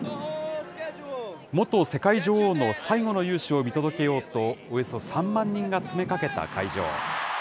元世界女王の最後の雄姿を見届けようと、およそ３万人が詰めかけた会場。